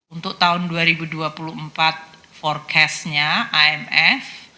untuk tahun dua ribu dua puluh empat forecastnya imf